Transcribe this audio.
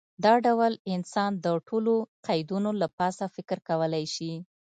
دا ډول انسان د ټولو قیدونو له پاسه فکر کولی شي.